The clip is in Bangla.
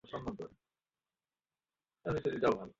ওপেনার এনামুল হকের চোটের কারণে হঠাৎ করেই বিশ্বকাপে সুযোগ মিলেছিল তাঁর।